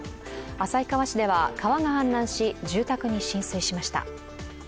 旭川市では川が氾濫し住宅に浸水しました。